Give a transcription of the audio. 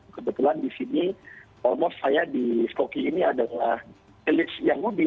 kebetulan di sini saya di spoky ini adalah elit yang mudi